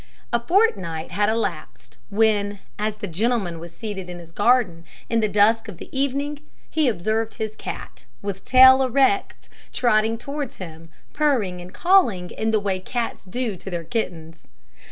A fortnight had elapsed, when, as the gentleman was seated in his garden, in the dusk of the evening, he observed his cat, with tail erect, trotting towards him, purring and calling in the way cats do to their kittens.